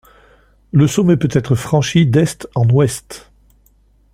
Le sommet peut être franchi d'est en ouest.